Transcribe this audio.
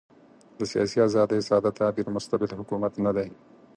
د سیاسي آزادۍ ساده تعبیر مستبد حکومت نه دی.